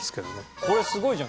これすごいじゃん。